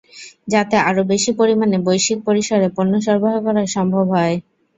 যাতে আরও বেশি পরিমাণে বৈশ্বিক পরিসরে পণ্য সরবরাহ করা সম্ভব হয়।